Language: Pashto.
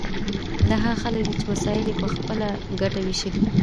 دا هغه خلک دي چې وسایل یې په خپله ګټه ویشلي.